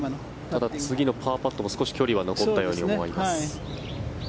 ただ、次のパーパットも少し距離が残ったように思います。